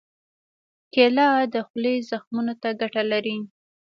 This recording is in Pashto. کېله د خولې زخمونو ته ګټه لري.